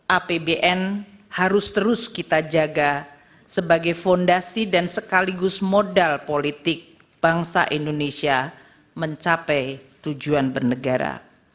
apbn harus terus kita jaga sebagai fondasi dan sekaligus modal politik bangsa indonesia mencapai tujuan bernegara